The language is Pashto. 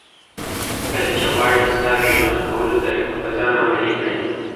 کله چې غواړي ستا د ژوند کولو طریقه په ځان عملي کړي.